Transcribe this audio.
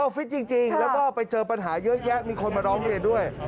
ฟิตจริงแล้วก็ไปเจอปัญหาเยอะแยะมีคนมาร้องเรียนด้วย